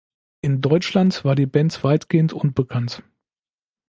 In Deutschland war die Band weitgehend unbekannt.